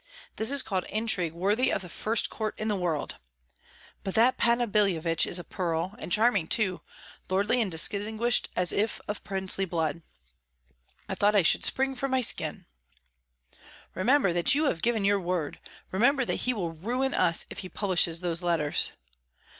This is called intrigue worthy of the first court in the world! But that Panna Billevich is a pearl, and charming too, lordly and distinguished as if of princely blood. I thought I should spring from my skin." "Remember that you have given your word, remember that he will ruin us if he publishes those letters."